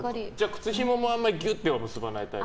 靴ひももあんまりギュッとは結ばないタイプ？